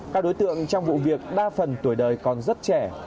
các đối tượng trong vụ việc đa phần tuổi đời còn rất trẻ